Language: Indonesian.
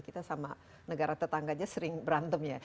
kita sama negara tetangganya sering berantem ya